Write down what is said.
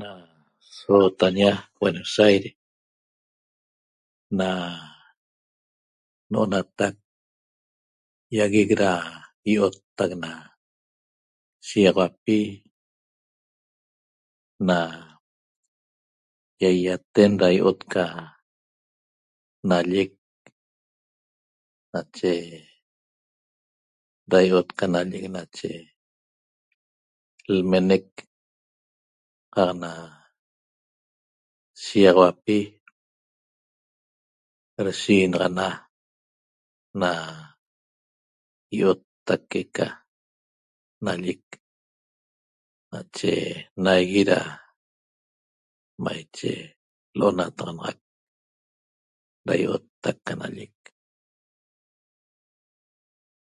Na sootaña Buenos Aires na n'onatac ýaguec da i'ottac na shiýaxauapi na ýaýaten da i'ot na nallec nache da i'ot ca nallec nache l'menec qaq na shiýaxauapi deshiinaxana na ýi'ottac que'eca nallec nache naigui da maiche l'onataxanaxac da i'ottac ca nallec